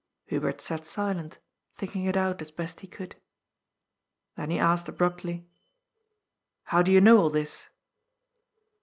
Hubert sat silent, thinking it out as best he could. Then he asked abruptly :" How do you know all this